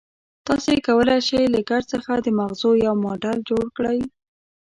تاسې کولای شئ له ګچ څخه د مغزو یو ماډل جوړ کړئ.